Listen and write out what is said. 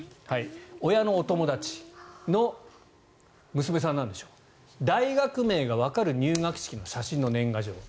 親のお友達の娘さんなんでしょう大学名がわかる入学式の写真の年賀状。